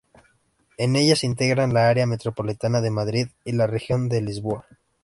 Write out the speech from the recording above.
En ella se integran la área metropolitana de Madrid y la región de Lisboa.